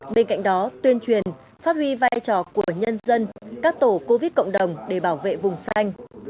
bên cạnh đó tuyên truyền phát huy vai trò của nhân dân các tổ covid cộng đồng để bảo vệ vùng xanh